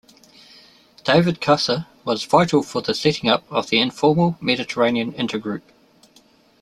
David Casa was vital for the setting up of the informal Mediterranean intergroup.